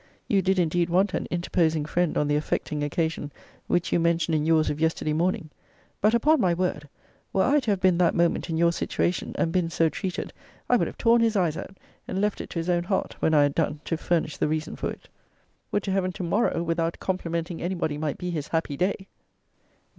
You did indeed want an interposing friend on the affecting occasion which you mention in yours of yesterday morning. But, upon my word, were I to have been that moment in your situation, and been so treated, I would have torn his eyes out, and left it to his own heart, when I had done, to furnish the reason for it. Would to Heaven to morrow, without complimenting any body, might be his happy day!